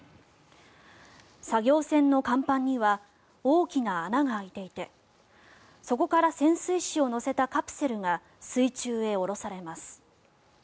作業船の甲板には大きな穴が開いていてそこから潜水士を乗せたカプセルが水中へ下ろされます。